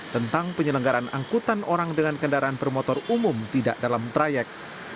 tentang penyelenggaran angkutan orang dengan kendaraan bermotor umum tidak dalam trayek